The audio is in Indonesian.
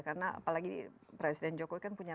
karena apalagi presiden jokowi kan punya